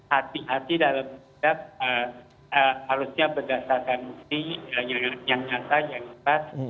hati hati dalam halusnya berdasarkan yang nyata yang tepat